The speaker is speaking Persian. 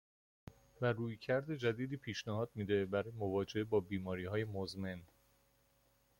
و رویکرد جدیدی پیشنهاد میده برای مواجهه با بیماریهای مُزمِن.